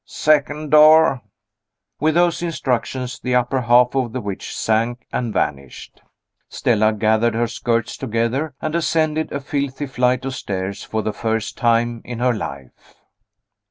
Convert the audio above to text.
"Second door." With those instructions the upper half of the witch sank and vanished. Stella gathered her skirts together, and ascended a filthy flight of stairs for the first time in her life.